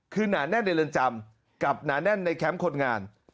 คือหนาแน่นในเรือนจำกับหนาแน่นในแคมป์คนงาน